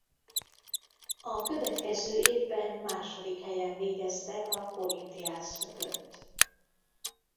A következő évben második helyen végeztek a Corinthians mögött.